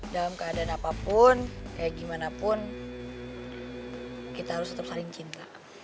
dalam keadaan apapun kayak gimana pun kita harus tetap saling cinta